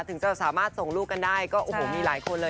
ถึงจะสามารถส่งลูกกันได้ก็โอ้โหมีหลายคนเลย